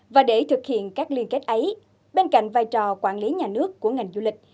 và để thực hiện các liên kết ấy bên cạnh vai trò quản lý nhà nước của ngành du lịch